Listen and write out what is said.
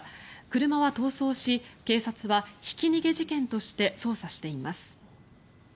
車は逃走し警察はひき逃げ事件として捜査しています。